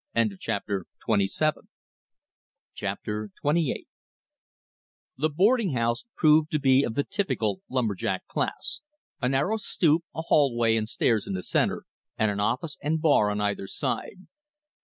Chapter XXVIII The boarding house proved to be of the typical lumber jack class, a narrow "stoop," a hall way and stairs in the center, and an office and bar on either side.